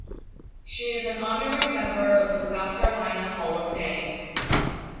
She is an honorary member of the South Carolina Hall of Fame.